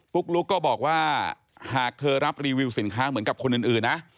ลุ๊กก็บอกว่าหากเธอรับรีวิวสินค้าเหมือนกับคนอื่นนะ